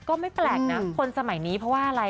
ก็ไม่แปลกนะคนสมัยนี้เพราะว่าอะไร